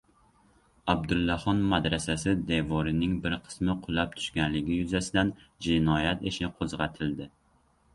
Abdullaxon madrasasi devorining bir qismi qulab tushganligi yuzasidan jinoyat ishi qo‘zg‘atildi